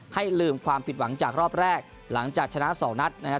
ให้ลืมความผิดหวังจากรอบแรกหลังจากชนะ๒นัดนะครับ